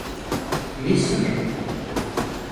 İyi soru.